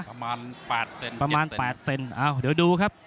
ประมาณ๘เซนต์ประมาณ๘เซนต์เอ้าเดี๋ยวดูครับ